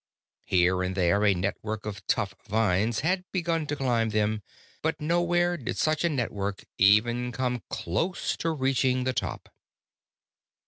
Here and there a network of tough vines had begun to climb them, but nowhere did such a network even come close to reaching the top.